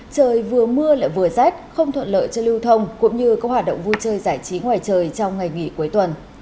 trời vừa mưa lại vừa rét không thuận lợi cho lưu thông cũng như có hoạt động vui chơi giải trí ngoài trời trong ngày nghỉ cuối tuần